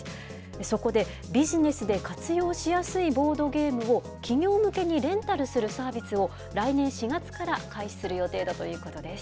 そこで、ビジネスで活用しやすいボードゲームを、企業向けにレンタルするサービスを、来年４月から開始する予定だということです。